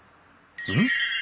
うん？